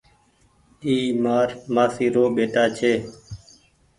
اي مآر مآسي رو ٻيٽآ ڀآئي ڇي